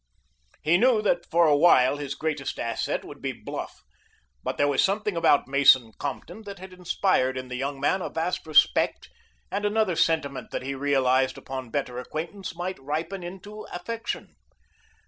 He knew that for a while his greatest asset would be bluff, but there was something about Mason Compton that had inspired in the young man a vast respect and another sentiment that he realized upon better acquaintance might ripen into affection.